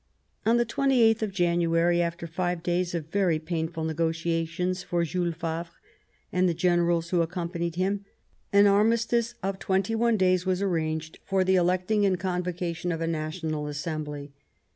On the 2Sth of January, after five days of very painful negotiations for Jules Favre and the generals who accompanied him, an armistice of twenty one days was arranged for the electing and convocation of a National Assembly.